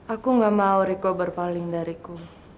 aku gak mau riko berpaling dariku